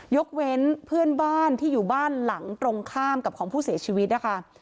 ยกเว้นเพื่อนบ้านที่อยู่บ้านหลังตรงข้ามกับของผู้เสียชีวิตนะคะ